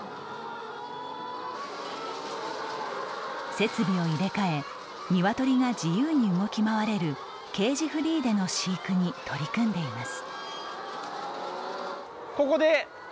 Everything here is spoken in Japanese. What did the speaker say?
設備を入れ替え鶏が自由に動き回れるケージフリーでの飼育に取り組んでいます。